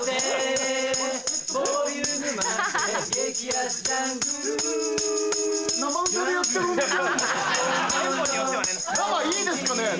生いいですよね